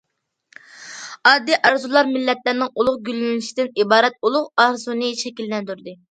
ئاددىي ئارزۇلار مىللەتلەرنىڭ ئۇلۇغ گۈللىنىشىدىن ئىبارەت ئۇلۇغ ئارزۇنى شەكىللەندۈردى.